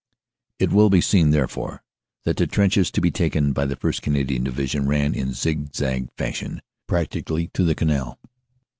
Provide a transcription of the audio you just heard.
"It will be seen, therefore, that the trenches to be taken by the 1st. Canadian Division ran, in zig zag fashion, practically to the canal.